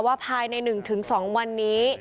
ว่าภายใน๑ถึง๒วันนี้